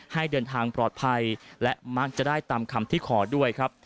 ให้เดินทางปลอดภัยและมักจะได้ตามคำที่ขอด้วยครับ